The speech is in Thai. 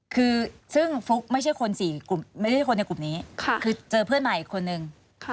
คือซึ่งฟลุ๊กไม่ใช่คน๔กลุ่มไม่ใช่คนในกลุ่มนี้คือเจอเพื่อนใหม่อีกคนนึง